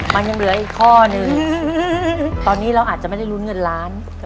มันยังเหลืออีกข้อนึงตอนนี้เราอาจจะไม่ได้ลุ้นเงินล้าน